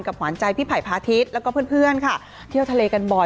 หวานใจพี่ไผ่พาทิศแล้วก็เพื่อนค่ะเที่ยวทะเลกันบ่อย